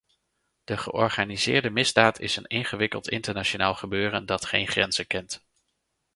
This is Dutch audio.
De georganiseerde misdaad is een ingewikkeld, internationaal gebeuren dat geen grenzen kent.